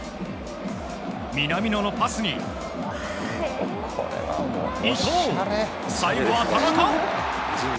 南野のパスに、最後は田中！